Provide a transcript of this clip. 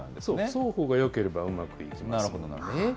双方がよければうまくいきますもんね。